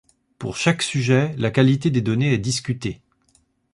Pour chaque sujet, la qualité des données est discutée.